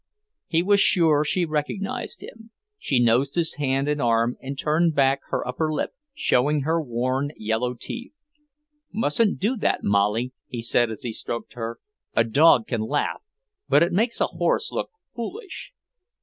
He was sure she recognized him; she nosed his hand and arm and turned back her upper lip, showing her worn, yellow teeth. "Mustn't do that, Molly," he said as he stroked her. "A dog can laugh, but it makes a horse look foolish.